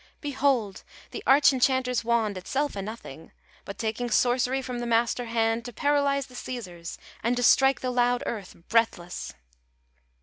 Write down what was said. "Behold The arch enchanter's wand! Itself a nothing; But taking sorcery from the master hand To paralyze the Caesars, and to strike The loud earth breathless!"